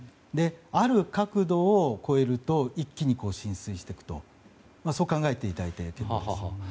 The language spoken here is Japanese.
ある角度を超えると一気に浸水していくと考えていただいて結構です。